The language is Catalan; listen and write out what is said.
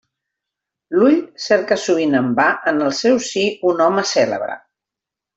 L'ull cerca sovint en va en el seu si un home cèlebre.